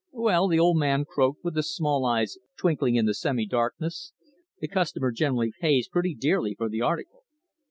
"Well," the old man croaked with his small eyes twinkling in the semi darkness, "the customer generally jays pretty dearly for the article."